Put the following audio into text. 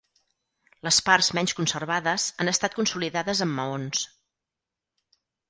Les parts menys conservades han estat consolidades amb maons.